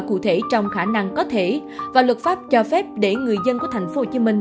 cụ thể trong khả năng có thể và luật pháp cho phép để người dân của thành phố hồ chí minh